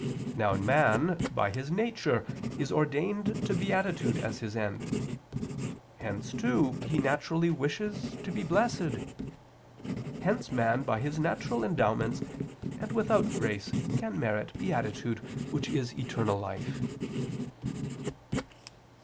Now man by his nature is ordained to beatitude as his end; hence, too, he naturally wishes to be blessed. Hence man by his natural endowments and without grace can merit beatitude which is eternal life.